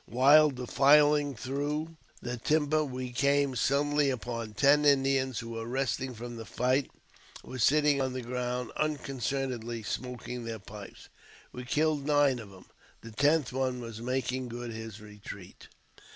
While defiling through the JAMES P. BECKWOUBTH. 121 timber we came suddenly upon ten Indians who were resting from the fight, and were sitting on the ground unconcernedly smoking their pipes. We killed nine of them, the tenth one making good his retreat.